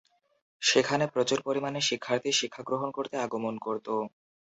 সেখানে প্রচুর পরিমানে শিক্ষার্থী শিক্ষাগ্রহণ করতে আগমণ করত।